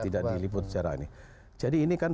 tidak diliput secara ini jadi ini kan